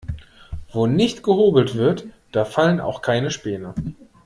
Wo nicht gehobelt wird, da fallen auch keine Späne.